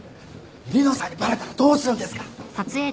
梨乃さんにバレたらどうするんですか。